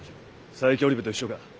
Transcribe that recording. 佐伯織部と一緒か？